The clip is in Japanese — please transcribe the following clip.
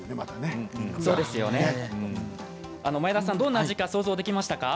前田さんどんな味か想像できましたか？